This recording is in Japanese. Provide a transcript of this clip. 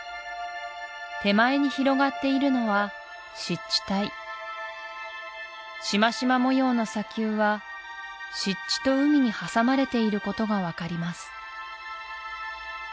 手前に広がっているのは湿地帯縞々模様の砂丘は湿地と海に挟まれていることが分かります